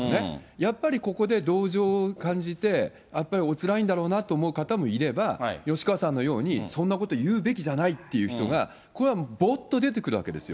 やっぱりここで同情を感じて、やっぱりおつらいんだろうなと思う方もいれば、吉川さんのように、そんなこと言うべきじゃないっていう人がこれはぼっと出てくるわけですよ。